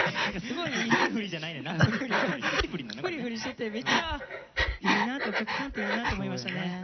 ふりふりしててめっちゃいいなってお客さんっていいなと思いましたね。